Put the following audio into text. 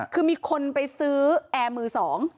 คือมีคนไปซื้อแอร์มือสอง